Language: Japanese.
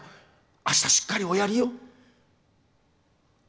あした、しっかりおやりよ！